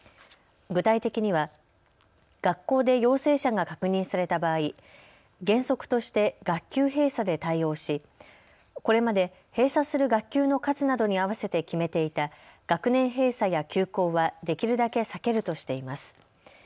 具体的には学校で陽性者が確認された場合原則として学級閉鎖で対応しこれまで閉鎖する学級の数などに合わせて決めていた学年閉鎖や休校はできるだけ避けるとしています。